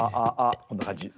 こんな感じ。